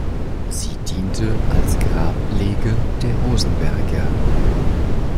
Sie diente als Grablege der Rosenberger.